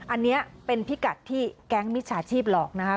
อันนี้เป็นพิกัดที่แก๊งมิจฉาชีพหลอกนะคะ